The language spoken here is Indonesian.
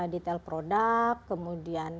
detail produk kemudian